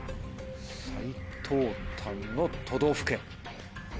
最東端の都道府県！